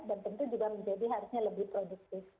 dan tentu juga menjadi harusnya lebih produktif